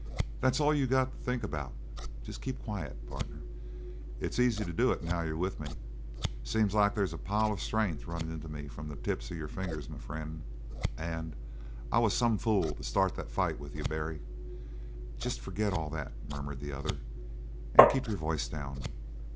That's all you got to think about. Jest keep quiet, partner." "It's easy to do it now you're with me. Seems like they's a pile of strength runnin' into me from the tips of your fingers, my frien'. And I was some fool to start that fight with you, Barry." "Jest forget all that," murmured the other. "And keep your voice down.